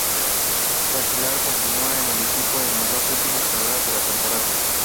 Tagliani continuaría en el equipo en las dos últimas carreras de la temporada.